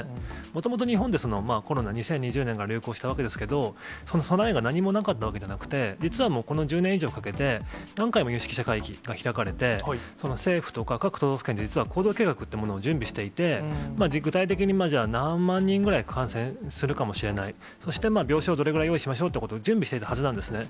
もともと日本でコロナ、２０２０年から流行したわけですけど、その備えが何もなかったわけじゃなくて、実はもうこの１０年以上かけて、何回も有識者会議が開かれて、政府とか各都道府県、実は行動計画というものを準備していて、具体的にじゃあ何万人ぐらい感染するかもしれないそして病床、どれぐらい用意しましょうということを準備していたはずなんですね。